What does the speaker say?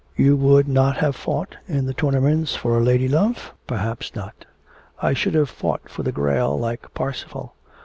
'You would not have fought in the tournaments for a lady love?' 'Perhaps not; I should have fought for the Grail, like Parsifal.